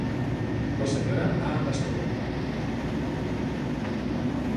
La senyora va amb bastó.